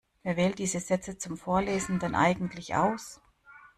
Wer wählt diese Sätze zum Vorlesen denn eigentlich aus?